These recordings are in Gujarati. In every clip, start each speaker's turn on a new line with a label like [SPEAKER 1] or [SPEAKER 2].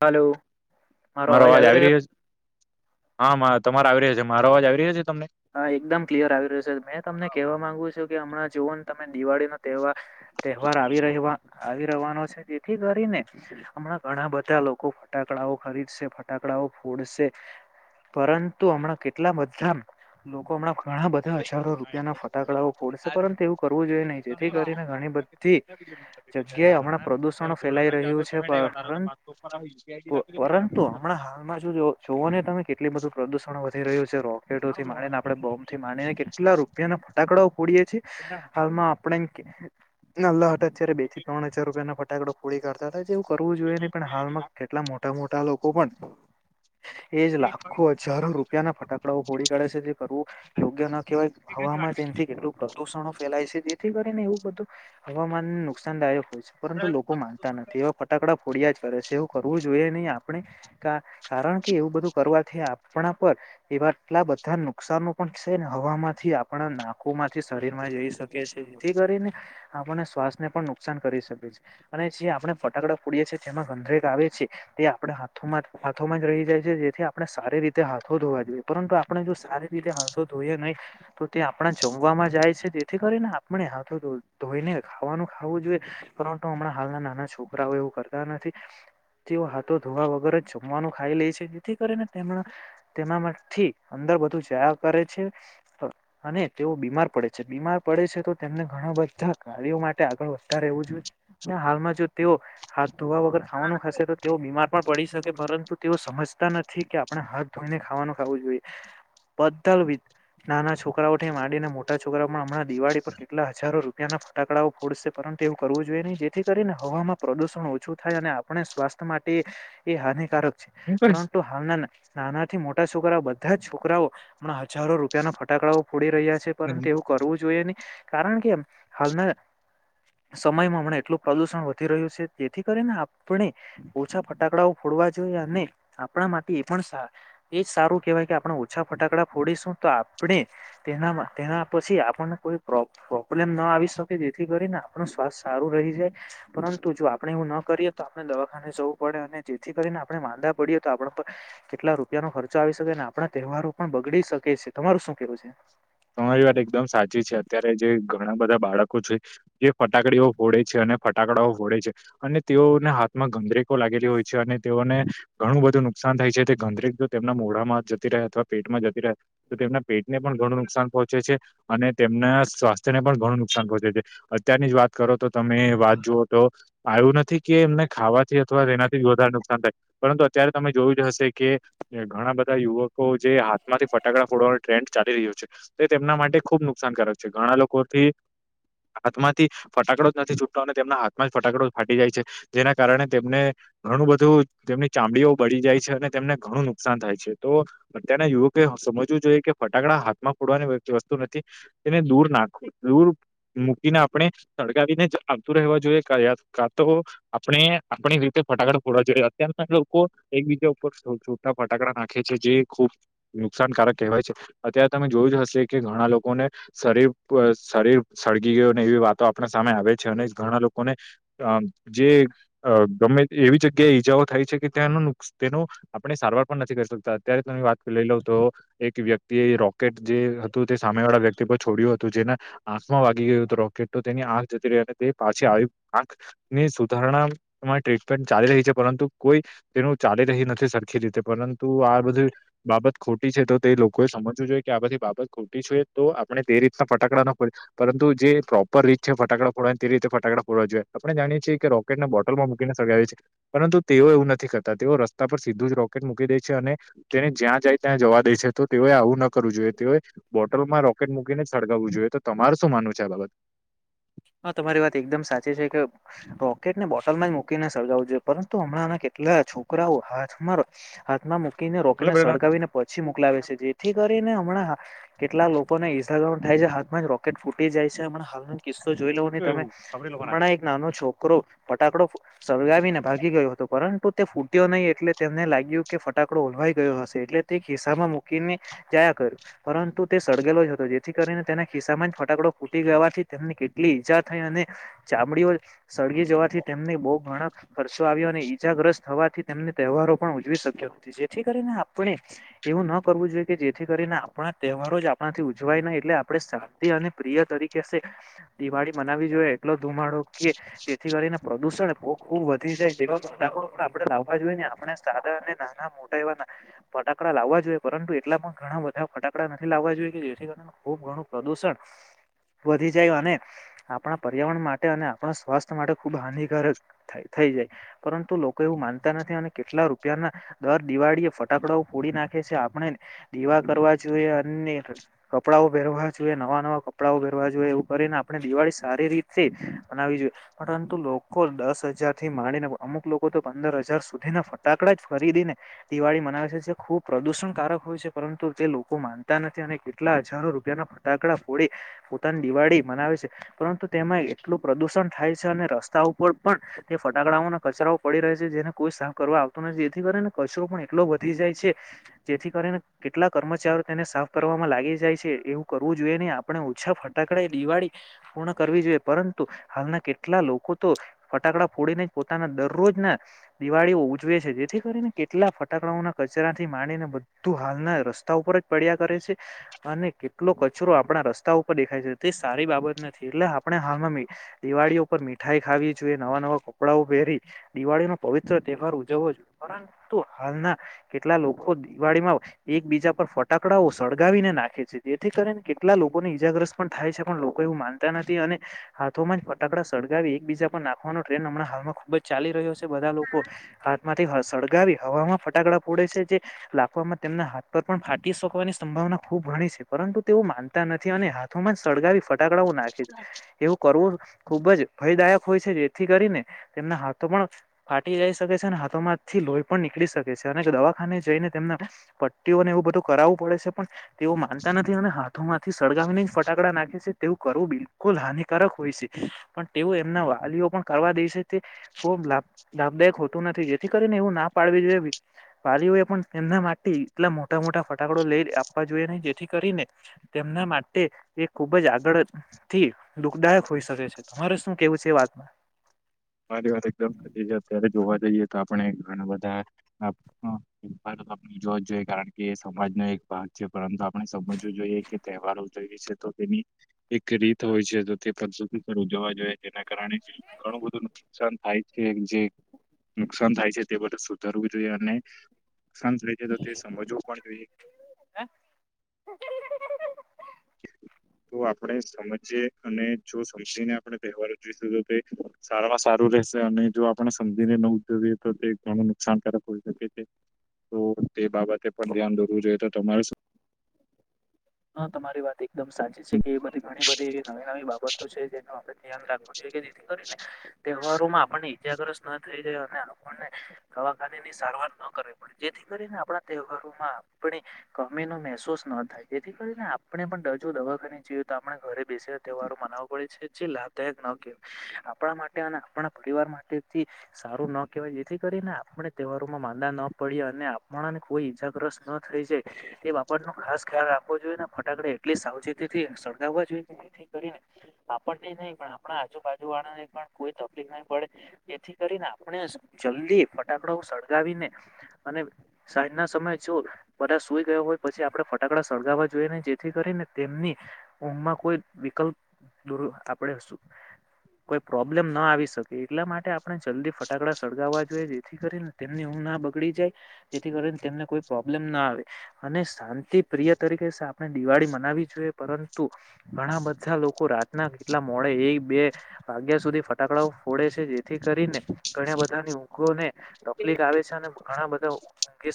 [SPEAKER 1] હાલો મારો અવાજ આવી રહ્યો?
[SPEAKER 2] હા મા તમારે આવી રહ્યા છે મારો અવાજ આવી રહ્યો છે? તમને
[SPEAKER 1] હા એકદમ ક્લિયર આવી રહ્યો છે મેં તમને કેહવા માંગુ છું કે હમણાં જોવોને તમે દિવાળીનો તહેવાર તહેવાર આવી રહેવા આવી રહેવાનો છે તેથી કરીને ને હમણાં ઘણાં બધા લોકો ફટાકડાઓ ખરીદશે ફટાકડાઓ ફોડશે પરંતુ હમણાં કેટલા બધાં લોકો હમણાં ઘણા બધા હજારો રૂપિયાના ફટાકડાઓ ફોડશે પરંતુ એવું કરવું જોઈએ નહીં જેથી કરીને ઘણી બધી જગ્યાએ હમણાં પ્રદુષણો
[SPEAKER 2] [inaudible]
[SPEAKER 1] ફેલાઈ
[SPEAKER 2] ઘોડાના ચાર
[SPEAKER 1] રહ્યું છે
[SPEAKER 2] ઝોમેટાઈ તો
[SPEAKER 1] પરંતુ
[SPEAKER 2] પાચસો ઉપર જી આઈ ડી લાગે પેલા આપ
[SPEAKER 1] હમણા હાલમાં જોઓ તમે કેટલું બધું પ્રદુષણ વધી રહ્યું છે રોકેટો થી માણીને આપણે બોમથી માનીને કેટલા રૂપિયાનો ફટાકડો ફોડીએ છીએ હાલમાં
[SPEAKER 2] ઘોડાના ચાર
[SPEAKER 1] આપણે નાહલા હતાં ત્યારે બે થી ત્રણ હજાર રૂપિયાના ફટાકડા ફોડી કાઢતા હતાં એવું કરવું જોઈએ નહીં પણ હાલમાં કેટલા મોટા-મોટા લોકો એજ લાખો હજારો રૂપિયાના ફટા ફોડી કાઢે છે તે કરવું યોગ્ય ન કહેવાય હવામાં તેનથી કેટલું પ્રદૂષણ ફેલાય છે જેથી કરીને એવું બધું હવામાનને નુકસાનદાયક હોય છે પરંતુ લોકો માનતા નથી એવા ફટાકડા ફોડિયા જ કરે છે એવું કરવું જોઈએ નહીં આપ આપણે કારણ કે એવું બધું કરવાથી આપણા પર એવા આટલા બધા નુકસાનો પણ છે ને હવામાંથી આપણા ના ખોમાંથી શરીરમાં જઈ શકે છે જેથી કરીને આપણને સ્વા ને પણ નુકસાન કરી શકે છે અને જે આપણે ફટાકડા ફોડીએ છીએ તેમાં ગંધરેગ આવે છે તે આપણા હાથ હાથોમાં જ રહી જાય છે જેથી આપણે સારી રીતે હાથો ધોવા જોઈએ. પરંતુ આપણે જો સારી રીતે હાથો ધોઈએ નહીં તો તે આપણા જમવામાં જાય છે તેથી કરીને આપણે હાથો ધો ધોઈને ખાવાનું ખાઉં જોઈએ પરંતુ હમણાં હાલના નાના છોકરાઓ એવું કરતા નથી. તેઓ હાથો ધોવા વગર જમવાનું ખાઈ લે છે જેથી કરીને તેમને તેના માટે થી અંદર બધું જયા કરે છે અને તેઓ બીમાર પડે છે બીમાર પડે છે તો તેમને ઘણા બધા કાર્યો માટે આગળ વધતા રહેવું જોઈએ અને હાલમાં જો તેઓ હા ધોવા વગર ખાવાનું હશે તો તેઓ બીમાર પણ પડી શ પરંતુ તેઓ સમજતા નથી કે આપણે હાથ ધોઈને ખાવાનું ખાવું જોઈએ. બધલ વિ નાના છોકરાઓથી માંડીને મોટા છોકરાઓ પણ હમણાં દિવાળી પર કેટલા હજારો રૂપિયાના ફટાકડાઓ ફોડશે પરં તુ તેવું કરવું જોઈએ નહીં જેથી કરીને હવામાં પ્રદૂષણ ઓછું થાય અને આપણે સ્વાસ્થ્ય માટે એ હાનિકારક પરંતુ હાલના નાનાથી મો ટા છોકરા બધા જ છોકરાઓ અમણા હજારો રૂપિયાના ફટાકડાઓ છોડી રહ્યા છે, પરંતુ એવું કરવું જોઈએ નહી કારણ કેમ હાલના સમયમાં હમણે એટલું પ્રદુષણ વધી રહ્યું છે, જેથી કરીને આપણે ઓછા ફટાકડાો વા જોઈએ, અને આપણા માટે એ પણ એજ સારું કેહેવાય કે આપણે ઓછા ફટાકડા ફોડીશું તો આપણે તેનામાં તેના પછી આપણને કોઈ પ્રોબ્લેમ ના આવી શકે તેથી કરીને આપણુ સ્વાસ્થ સારું રહી જાય, પરંતુ જો આપણે ન કરીએ તો આપણે દવાખાને જવું પડે અને જેથી કરીને આપણે માદા પડીએ તો આપણા ઉપર કેટલા રૂપિયા રૂપિયા નો ખર્ચો આવી શકે આપણા તહેવારો પણ બગડી શકે છે, તમારું શું કેવું છે?
[SPEAKER 2] તમારી વાત એકદમ સાચી છે, અત્યારે જે ઘણા બધા બાળકો છે જે ફટાકડીઓ ફોડે છે અને ફટાકડાઓ ફોડે છે અને તેઓને હા ગંદરેકો લાગેલી હોય છે, અને તેઓને ઘણું બધું નુકસાન થાય છે, તે ગંદરેક તેમના મોઢામાં જતી અથવા પેટમાં જતી રહે તો તેમના પેટ ને પણ ઘણું નુકસાન પહોંચે છે, અને તેમના સ્વાસ્થ્ય ને પણ ઘણું નુકસાન પહોંચે છે, અત્યારની જ વાત કરો તો તમે વાત જુવોતો આવું નથી કે, જોયું જ હશે કે ઘણા બધા યુવકો જે હાથમાંથી ફટાકડા ફોડવાનો ટ્રેન્ડ ચાલી રહ્યો છે, તે તેમના માટે ખુબ નુકસાનકારક છે, ઘણા લોકોથી હાથમાંથી ફટાકડો જ નથી છૂટતો અને તેમના હાથમાં ફટાકડો ફાટી જાય છે, જેના કારણે તેમને ઘણું બધું તેમની ચામડીઓ બળી જાય છે, અને તેમને ઘણું નુકસાન થાય છે, તો અત્યારના યુવકે સમજવું જોઈએ કે ફટાકડા હાથમાં ફોડવાની વસ્તુ નથી તેને દૂર નાખું દૂર મૂકીને આપણે સળગાવીને જ આવતું રહેવા જોઈએ, કા તો આપણે આપણી રીતે ફટાકડા ફોડવા જોઈએ, અત્યારના એ લોકો એકબીજા ઉપર છોટા ફટાકડા નાખે છે, જે ખૂબ નુકસાનકારક કહેવાય છે, અત્ય્યારે તમે જોયું જ હશે કે ઘણા લોકોને શરીર શરીર સળગી ગયું ને એવી વાતો આપણા સામે આવે અને ઘણા લોકોને જે ગમે એવી જગ્યાએ ઈજાઓ થાય છે કે ત્યાં તે આપણે સારવાર પણ નથી કરી શકતા અત્યારે તમે વાત લઈ લવ તો એક વ્યક્તિ એ રોકેટ જે હતું તે સામે વાળા વ્યક્તિ પર છોડ્યું હતું, જેના આંખ માં વાગી ગયું હતું રોકેટ તો તેની આંખ જતી પાછી આવીની સુધારણા ટ્રીટમે ચાલી રહી છે પરંતુ કોઈ તે ચાલી રહી નથી સરખી રીતે પરંતુ આ બધી બાબત ખોટી છે, તો તે લોકોએ સમજવું જોઈએ કે આ બધી બાબત ખોટી જોઈએ, તો આપણે તે રીતના ફટાડા ના ફોએ પરંતુ જે પ્રોપર રીત છે, ફટાકડાો તે રીતે ફટાકડા ફરવા જોઈએ, આપણે જાણીએ છીએ કે રોકેટને બોટલમાં મૂકીને સગાવી છે, પરંતુ તેઓ એવું નથી કર તેઓ રસ્તા પર સીધું જ રોકેટ મૂકી દે છે, અને તેને જ્યાં જાય ત્યાં જવા દે છે, તો તેઓ કરવું જોઈએ, તેય બોટલમાં રોકેટ મૂકીને સળગાવવું જોઈએ, તો તમારે શું માનવું છે આ બાબત?
[SPEAKER 1] હા, તમારી વાત એકદમ સાચી છે, કે રોકેટ ને બોટલમાં જ મૂકીને સર્જાવું જોઈએ, પરંતુ હમણાંને કે એટલા છોકરા આવો હાથ મારો હાથમાં રોકેટને
[SPEAKER 2] મતલબ
[SPEAKER 1] સડગાવીને પછી મોકલાવે છે, જેથી કરીને હમણાં કેટલા લોકો ઇન્સ્ટ્રાઉડ થાય છે., હામાં રોકેટ ફૂટી જાય છે. હસ જોઈ લવ નહી તમે
[SPEAKER 2] આપડે લોકો ના
[SPEAKER 1] હમણાં એક નાનો છોકરો ફટાકડો સળગાવીને ભાગી ગયો હતો પરંતુ તે ફૂટ્યો નહી એટલે તેમને લાગ્યું કે ફટાકડો ઓલવાઈ ગયો હશે એટલે તે ખિસ્સામાં મૂકીને જ પરંતુ તે સળગેલો જ હતો, જેથી કરીને તેના ખિસ્સામાં જ ફટાકડો ફૂટી ગવાથી તેમની એટલી ઈજા થઈ અને ચામડીઓ સળગી જવાથી તેમને બહુ ઘણા ખર્ચો આવ્યો અને ઈજા થવાથી તેમ તહેવારો પણ ઉજવી શક્યો, જેથી કરીને આપણે એવું ન કરવું જોઈએ. કે જેથી કરીને આપણા તહેવારો જ આપણાથી ઉજવાય નહી, એટલે આપણે શાંતિ અને પ્રિય તરીકે સે દિવાળી મનાવી જોઈએ, એટલો ધુમાડો કે જેથી કરીને પ્રદુષણ ખુબ વધી જાય તે આપણે લાવવા જોઈએ, ને આપણે સદા અને નાના મોટા એવા ફટાકડા લાવવા જોઈએ, પરંતુ એટલા પણ ઘણા બધા ફટાકડા નથી લાવવા જોઈએ, કે જેથી કારણે ખુબ ઘણું પ્રદુષણ વધી જાય, અને આપણા પર્યાવરણ માટે અને આપણા સ્વાસ્થ્ય માટે ખુબ હાનિકારક થઈ જાય પરંતુ લોકો એવું માનતા નથી, અને કેટલા રૂપિયા ના દર દિવાળી એ ફટાકડાઓ ફોડી નાખે છે, આપણે એવા કરવા જોઈએ, અને કપડાંઓ પહેરવા જોઈએ, નવા નવા કપડાંઓ પહેરવા જોઈએ, એવું કરીને આપણે દિવાળી સારી રીતે બનાવી જોઈએ, પરંતુ લોકો દસ હજાર થી માંડીને અમુક લોકો પંદર હજાર સુધી ના ફટાકડા જ ખરીદીને દિવાળી મનાવે છે, જે ખુબ પ્રદુષણકારક હોય છે, પરંતુ તે લોકો માનતા નથી અને કેટલા હજારો રૂપિયા ના ફટાકડા ફોડી પોતાની દિવાળી મનાવે છે. પરંતુ તેમાં એટલું પ્રદુષણ થાય છે. અને રસ્તા ઉપર પણ તે ફટાકડાઓના કચરા પડી જેને કોઈ સાફ કરવા આવતું નથી. જેથી કરીને કચરો પણ એટલો વધી જાય છે જેથી કરીને કેટલા કર્મચારીઓ તેને સાફ કરવામાં લાગી જાય છે. એવું કરવું જોઈએ નહી આપણે ઓછા ફટાકડા દિવાળી પૂર્ણ કરવી જોઈએ. પરંતુ હાલના કેટલા લોકો તો ફટાકડા ફોડીને જ પોતાના દરરોજ દિવાળીઓ ઉજવે છે. જેથી કરીને કેટલા ફટાકડાઓના કચરા થી માંડીને બધું હાલના રસ્તા ઉપર જ પડ્યા કરે છે. અને કેટલો કચરો આપણા રસ્તા ઉપર દેખાય છે. તે સારી બાબ નથી એટલે આપણે હાલમાં દિવાળી ઉપર મીઠાઈ ખાવી જોઈએ નવા નવા કપડાઓ પહેરી દિવાળી નો પવિત્ર તહેવાર ઉજવવો જોઈએ. પરંતુ હાલના કેટલા લોકો દિવાળીમાં એક બીજા પર ફટાકડાઓ સળગાવીને નાખે છે. જેથી કરીને કેટલા લોકો ને ઈજાગ્રસ્ત પણ થાય છે. પણ માનતા નથી અને હાથોમાં જ ફટાકડા સળગાવી એકબીજા પણ નાખવાનો ટ્રેન હમણા હાલમાં ખુબ જ ચાલી રહ્યો છે. બધા લોકો હાથમાં સળગાવી હવામાં ફટાકડા ફોડે છે. જે લાખવામાં તેમના હાથ પર પણ ફાટી શકવાની સંભાવના ખબ ઘણી છે. પરંતુ તેઓ માનતા નથી અને હાથોમાં જ સળગાવી ફટ કટાકડાું નાખે છે એવું કરવું ખુબ જ ભયદાયક હોય છે. જેથી કરીને તેમના હાથો પણ ફાટી જાય શકે છે. અને હાથોમાંથી લોહી પણ શકે છે. અને દવાખાને જઈને તેમના પટ્ટીઓને એવું બધું કરાવવું પડે છે. પણ તેઓ માનતા નથી અને હાથ માંથી સળગાવીને ફટાકડા નાખે છે. તેવું કરવું બિલકુલ હાનિકારક હોય છે. પણ તેઓ એમના વાલીઓ પણ કરવા દે છે. તે લાભદાયક હોતું નથી. જેથી કરીને એવું ના પાડવી જોઈએ. વાલીઓ એ પણ તેમના માટે એટલા મોટા મોટા ફટાકડો લઈ આપવા જોઈએ નહી. જેથી કરીને એના માટે એ ખુબ જ આ થી દુઃખદાયક હોઈ શકે છે. તમારે શું કેવું છે વાતમાં?
[SPEAKER 2] મારી વાત એકદમ સતી છે. અત્યારે જોવા જઈએ તો આપ આપણે ઘણા બધા આપણે જોવા જોઈએ. કારણ કે સમાજનો એક ભાગ છે. પરંતુ આપણે સમજવું જોઈએ. કે તહેવારો જોઈએ છે. તો તેની એક રીત હોય છે. તો તે ઉજવા જોઈએ. તેના કારણે ઘણું બધું નુકસાન થાય છે જે નુકસાન થાય છે તે બધ સુધારવું જોઈએ. અને નુકસાન થઈ જ તો તે સમજવું પણ જોઈએ.
[SPEAKER 1] [inaudible]
[SPEAKER 2] તો આપણે સમજીયે અને જો સમજીને આપણે તહેવારો જોઈશું તો સારામાં સારું શે અને જો આપણે સમજીને ન ઉજજવીએ તો તે ઘણું નુકસાનકારક હોય શકે છે.
[SPEAKER 1] [inaudible]
[SPEAKER 2] એ બાબતે પણ ધ્યાન દોરવું જોઈએ તો તમારે
[SPEAKER 1] હા તમારી વાત એકદમ સાચી છે કે બધી ઘણી બધી એવી નવી નવી બાબતો છે જેનું આપડે ધ્યાન રાખવું જોઈએ જેથી કરીને તહેવારો માં આપણને ઈજાગ્રસ્ત ના થઈ જાય અને આપણને દવાખાનેની રહ ન કરવી પડે જેથી કરીને આપણા તહેવારોમાં આપણી ગમી ન મહેસૂસ ના થાય જેથી કરીને આપણે પણ ડજો દવાખાની જોઈએ તો આપણે ઘરે બેસેલા તહેવારો મનાવવા પડે છે જે લાભદાયક આપ માટે અને આપણા પરિવાર માટેથી સારું ન કહેવાય જેથી કરીને આપણે ત્યો હાર માં માંદા ન પડ્યા અને આપણાને કોઈ ઈજાગ્રસ્ત ન થઈ જાય તે બાપાણ નો ખાસ ખ્યાલ જોઈને ફટાકડા એટલી સાવચેતી સળગાવવા જોઈએ કરીને આપણ નહી પણ આપણા આજુ બાજુ વાળા ને પણ કોઈ તકલીફ નહી પડે જેથી કરીને આપણે જલ્દી ફટાકડો સ ગાવીને અને સાંજ ના સમય જો બધા સુઈ ગયો હોય પછી આપડે ફટાકડા સળગાવવા જોઈએ ન જેથી કરીને તેમની ઊઘમાં કોઈ વિકલ્પ દુરુ આપડે શું કોઈ પ્રોબ્લેમ ના આવી શકે એટલા માટે આપણે જલ્દી ફટાકડા સળગાવવા જોઈએ જેથી તેમની ઊંઘ ના બગડી જાય જેથી કરીને તેમને કોઈ પ્રોબ્લેમ ના આવે અને શાંતિ પ્રિય તરીકે આપણે દિવાળી મનાવી જોઈએ પરંતુ ઘણા બધા લોકો રાતના કેટલા મોડે એક બે વાગ્યા સુધી ફટાકડાઓ ફોડે છે જેથી કરીને ઘણા બધાની ઊંઘોને તકલીફ આવે છે અને ઘણા બધા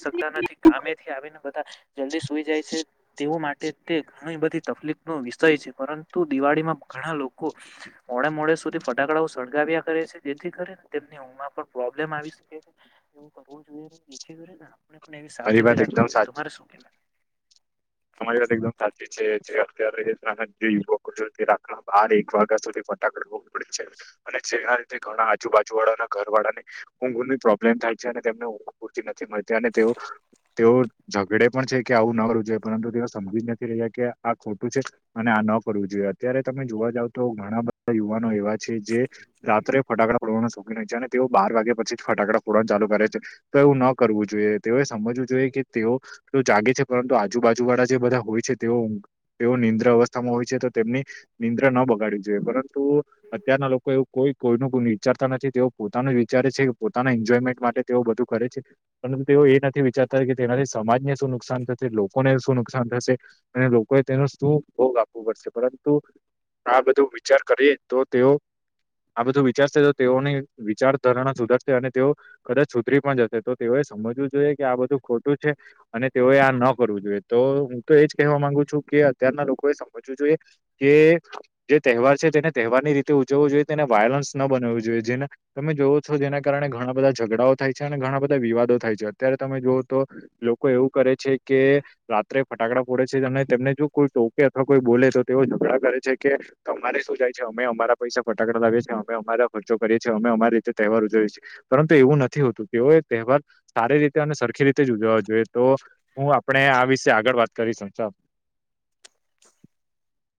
[SPEAKER 1] શકતા નથી ગામે થી આવીને બધા જલ્દી ઈ જાય છે તેઓ માટે તે ઘણી બધી તકલીફનો વિષય છે પરંતુ દિવાળીમાં ઘણા લોકો મોડે મોડે સુધી ફટાકડાઓ સળગાવ્યા કરે છે જેથી કરીને તેમની ઊગમાં પણ પ્રોબ્લેમ આવી
[SPEAKER 2] મારી
[SPEAKER 1] સાવચેતી
[SPEAKER 2] વાત
[SPEAKER 1] રાખવી
[SPEAKER 2] એકદમ
[SPEAKER 1] જોઈએ
[SPEAKER 2] સાચી
[SPEAKER 1] તમારે શું કેવાય
[SPEAKER 2] તમારી વાત એકદમ સાચી છે જે અત્યારે આજ ના જે યુવકો છે રાતના બાર એક વાગ્યા સુધી ફટાકડો ફોડે છે અને જેના રીતે ઘણા આજુબાજુ વાળા ઘર વાળાને ઊઘની પ્રોબ્લેમ થાય. ઊંઘ પૂતિ નથી મળતી અને તેઓ તેઓ ઝગડે પણ છે કે આવું ના રોજે પરંતુ તેઓ સમજી નથી રહ્યા કે આ ખોટું છે અને આ ન કરવું જોઈએ અત્યારે તમે જોવા જાવ તો ઘણા બધા યુવાનો એવા છે જે રાત્રે ફટાકડા ફોડવાના શો અને [unintelligible] તેઓ બાર વાગ્યા પછી ફટાકડા ફોરણ ચાલુ કરે છે તો એવું ન કરવું જોઈએ તેઓએ સમજવું જોઈએ કે તેઓ તો જાગે છે પરંતુ આજુબાજુ વાળા જે બધા હોય છે તેઓ તેઓ નિંદ્ર અવસ્થામાં હોય જે તો તેમની નિંદ્ર ન બગાડવી જોઈએ પરંતુ અત્યારના લોકો એવું કોઈ કોઈનું કો વિચારતા નથી તેઓ પોતાનું વિચારે છે પોતાના એન્જોયમેન્ટ માટે તેઓ બધું કરે છે પરંતુઓ એ નથી વિચારતા કે તેનાથી સમાજને શું નુકસાન થશે લો કોને શું નુકસાન થશે અને લોકોએ તેનો શું ભોગ આપવો પડશે પરંતુ આ બધું વિચાર કરીએ તો તેઓ આ બધું વિચારશે તો તેઓની વિચારધારાણા સુધરશે અને તેઓ કદાચ સુધરી પણ જશે તો તેઓ સમજવું જોઈએ કે આ બધું ખોટું છે અને તેઓએ આ ન કરવું જોઈ તો હું તો એજ કવા માંગુ છું કે અત્યારના લોકોએ સમજવું જોઈએ કે તહેવાર છે તેને તહેવારની રીતે ઉજવવો જોઈએ તેને વાયલન્સ ન બનાવું જોઈએ જેને તમે જોવો છો જેના કારણે ઘણા બધા ઝઘડાઓ થાય છે અને ઘણા બધા વિવાદો થાય છે અત્યારે તમે જોઓ તો લોકો એવું કરે છે કે રાત્રે ફટાકડા ફોડે છે અને તેમને જો કોઈ ટોકે અથવા કોઈ બોલે તો તેઓ ઝઘડા કરે છે કે તો અમારે શું જાય છે અમે અમારા પૈસા ફટાકડા લાવીએ અમે અમારા ખર્ચો કરીએ છે અમે અમાર રીતે તહેવાર ઉજવીએ છીએ પરંતુ એવું નથી હોતું કેઓ એ તહેવાર સારી રીતે અને સરખી રીતે જ ઉજવવા જોઈએ તો હું આપણે આ વિશે આગળ વાત કરીશ સા